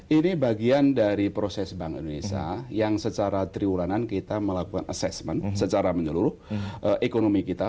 ini bagian dari proses bank indonesia yang secara triwulanan kita melakukan assessment secara menyeluruh ekonomi kita